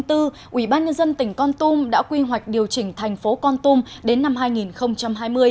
ủy ban nhân dân tỉnh con tum đã quy hoạch điều chỉnh thành phố con tum đến năm hai nghìn hai mươi